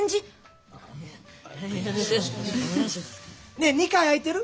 ねえ２階空いてる？